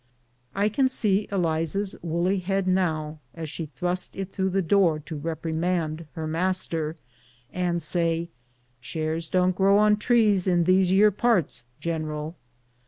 I can see Eliza's woolly head now, as she thrust it through the door to repri mand her master, and say, " Chairs don't grow on trees in these yere parts, gen'l."